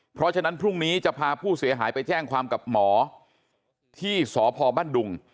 เพราะฉะนั้นพรุ่งนี้จะพาผู้เสียหายไปแจ้งความกับหมอที่สพบ้านดุง